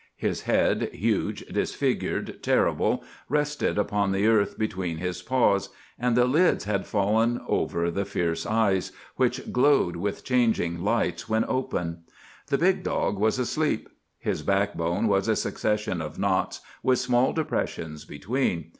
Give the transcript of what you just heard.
His head, huge, disfigured, terrible, rested upon the earth between his paws, and the lids had fallen over the fierce eyes, which glowed with changing lights when open. The big dog was asleep. His back bone was a succession of knots, with small depressions between.